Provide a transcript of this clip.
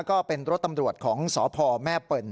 ก็เป็นรถตำรวจของสพแม่เปิ่น